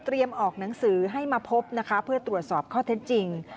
เตรียมออกหนังสือให้มาพบเพื่อตรวจสอบข้อเท็จจริง